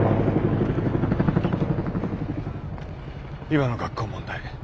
今の学校問題